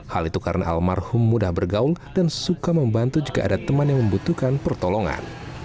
hal itu karena almarhum mudah bergaul dan suka membantu jika ada teman yang membutuhkan pertolongan